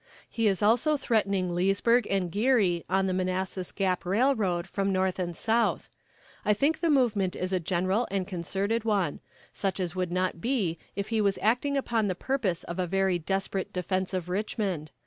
He is also threatening Leesburg and Geary on the Manassas Gap Railroad, from north and south; I think the movement is a general and concerted one such as would not be if he was acting upon the purpose of a very desperate defense of Richmond.